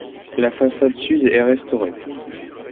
La façade sud est restauré.